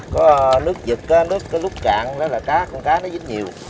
có nước dựt nước lúc cạn là con cá nó dính nhiều